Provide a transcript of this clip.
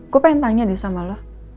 gue pengen tanya deh sama lo